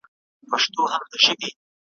سوی یم ایره سوم پروانې را پسي مه ګوره `